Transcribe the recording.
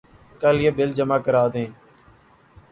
کل یہ بل جمع کرادیں